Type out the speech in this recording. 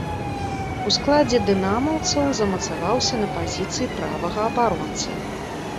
У складзе дынамаўцаў замацаваўся на пазіцыі правага абаронцы.